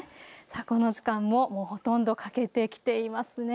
この時間もほとんど欠けてきていますね。